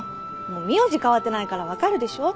名字変わってないからわかるでしょ。